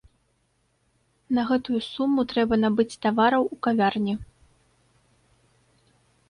На гэтую суму трэба набыць тавараў у кавярні.